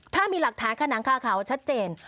ถ้ามีหลักฐานขนังคาเขาชัดเจน